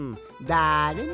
だれも！？